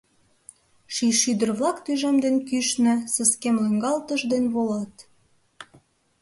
Ший шӱдыр-влак тӱжем ден кӱшнӧ Сескем лӱҥгалтыш ден волат.